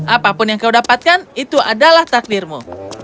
apapun yang kau dapatkan itu adalah takdirmu